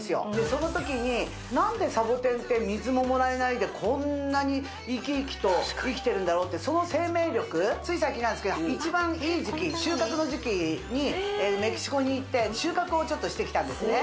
その時に何でサボテンって水ももらえないでこんなに生き生きと生きてるんだろうってその生命力つい最近なんですけど一番いい時期収穫の時期にメキシコに行って収穫をしてきたんですね